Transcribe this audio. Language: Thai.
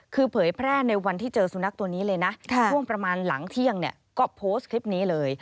คือเผยแพร่ในวันที่เจอสุนัขตัวนี้เลยนะช่วงประมาณหลังเที่ยงเนี่ยก็โพสต์คลิปนี้เลย